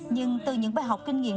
nhưng từ những bài học kinh nghiệm